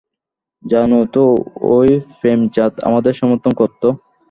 জানো তো, ওই প্রেমচাঁদ আমাদের সমর্থন করত।